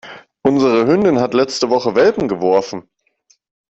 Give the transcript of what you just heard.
Unsere Hündin hat letzte Woche Welpen geworfen.